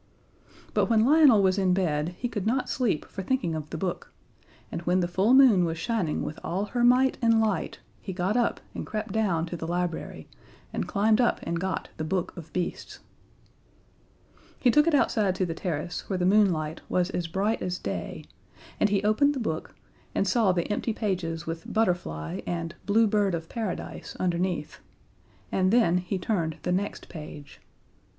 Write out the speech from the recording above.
But when Lionel was in bed he could not sleep for thinking of the book, and when the full moon was shining with all her might and light he got up and crept down to the library and climbed up and got The Book of Beasts. He took it outside to the terrace, where the moonlight was as bright as day, and he opened the book, and saw the empty pages with "Butterfly" and "Blue Bird of Paradise" underneath, and then he turned the next page.